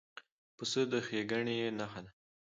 پسه د ښېګڼې نښه ده.